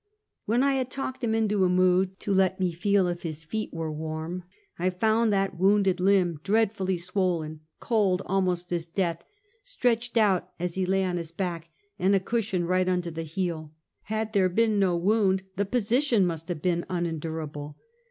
When I had talked him into a mood to let me feel if his feet were warm, I found that wounded limb dread fully swollen, cold almost as death, stretched out as he lay on his back, and a cushion right under the heel. Had there been no wound the position must have been unendurable.